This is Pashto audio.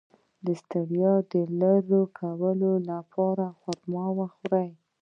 د ستړیا د لرې کولو لپاره خرما وخورئ